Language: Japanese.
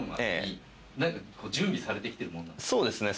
そうですね。